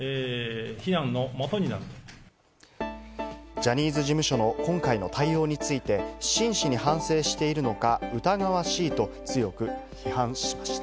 ジャニーズ事務所の今回の対応について、真摯に反省しているのか疑わしいと強く批判しました。